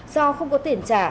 do không có tiền trả